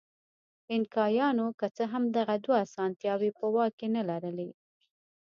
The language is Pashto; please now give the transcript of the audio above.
اینکایانو که څه هم دغه دوه اسانتیاوې په واک کې نه لرلې.